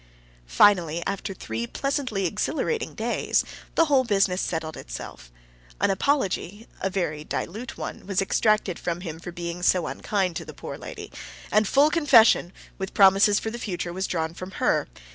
Finally, after three pleasantly exhilarating days, the whole business settled itself. An apology (a very dilute one) was extracted from him for being so unkind to the poor lady, and full confession, with promises for the future, was drawn from her.